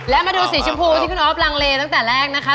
และมาดูสีชมพูที่คุณอ๊อฟลังเลตั้งแต่แรกนะคะ